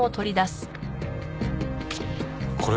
これは？